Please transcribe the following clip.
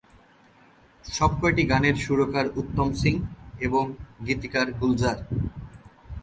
সবকয়টি গানের সুরকার উত্তম সিং এবং গীতিকার গুলজার।